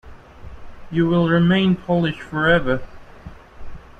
You will remain Polish forever.